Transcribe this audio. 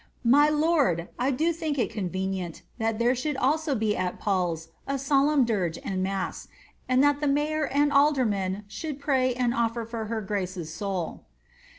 My lord, I do think it convenient that there should also be at Paul's a solemn dirge and mass ; and that the mayor and aldermen should pray and ofler for her grace's soul."